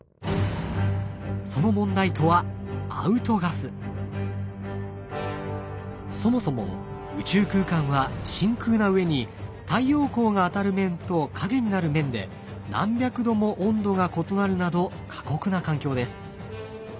その問題とはそもそも宇宙空間は真空なうえに太陽光が当たる面と陰になる面で何百度も温度が異なるなど過酷な環境です。